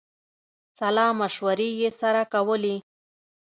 سلامشورې یې سره کولې.